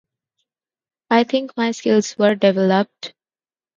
I think my skills were developed.